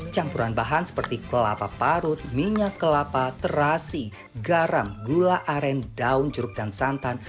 campuran bahan seperti kelapa parut minyak kelapa terasi garam gula aren daun jeruk dan santan